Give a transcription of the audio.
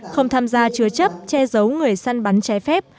không tham gia chứa chấp che giấu người săn bắn trái phép